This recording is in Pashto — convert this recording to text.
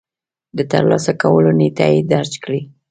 د ترلاسه کولو نېټه يې درج کړئ.